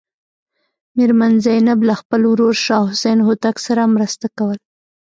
میرمن زینب له خپل ورور شاه حسین هوتک سره مرسته کوله.